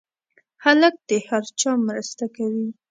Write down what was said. هلک د هر چا مرسته کوي.